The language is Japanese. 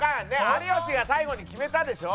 有吉が最後に決めたでしょ？